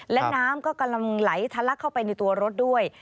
และน้ำก็กำลังไหลทะลักเข้าไปในตัวรถด้วย